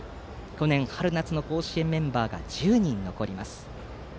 去年春夏の甲子園メンバーが１０人残ります。